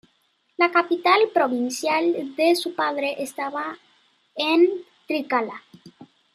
La capital provincial de su padre estaba en Trikala.